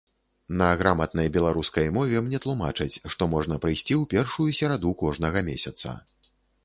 На граматнай беларускай мове мне тлумачаць, што можна прыйсці ў першую сераду кожнага месяца.